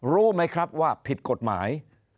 รู้ไหมครับว่าผิดกฎหมาย